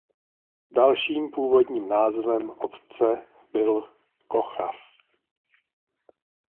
Dalším původním názvem obce byl Kochav.